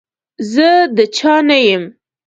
زه د چا نه يم.